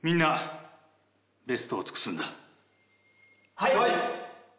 はい！